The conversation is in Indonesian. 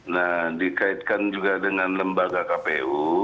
nah dikaitkan juga dengan lembaga kpu